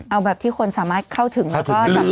เอาแบบที่คนสามารถเข้าถึงแล้วก็จำกายได้หน่อย